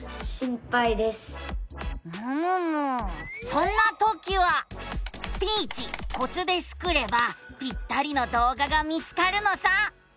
そんなときは「スピーチコツ」でスクればぴったりの動画が見つかるのさ。